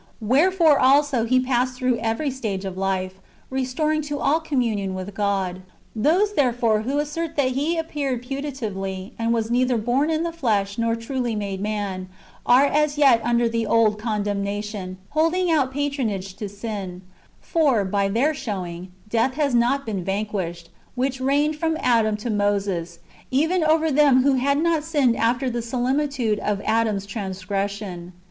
Wherefore also He passed through every stage of life, restoring to all communion with God. Those, therefore, who assert that He appeared puta tively, and was neither born in the flesh nor truly made man, are as yet under the old condemnation, holding out patronage to sin ; for, by their showing, death has not been vanquished, which ^'reio ned from Adam to Moses, even over them that had not sinned after the similitude of Adam's transgression."